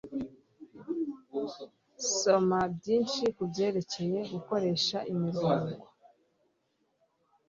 Soma byinshi kubyerekeye gukoresha imirongo